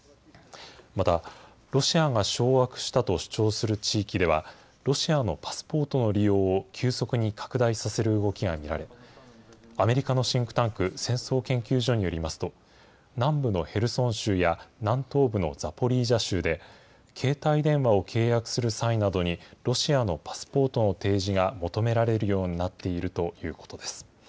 また、ロシアが掌握したと主張する地域では、ロシアのパスポートの利用を急速に拡大させる動きが見られ、アメリカのシンクタンク戦争研究所によりますと、南部のヘルソン州や南東部のザポリージャ州で、携帯電話を契約する際などに、ロシアのパスポートの提示が求められるようになっているということです。